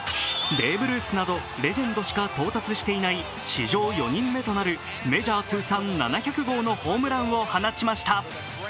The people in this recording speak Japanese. ベーブ・ルースなどレジェンドしか到達していない史上４人目となるメジャー通算７００号のホームランを放ちました。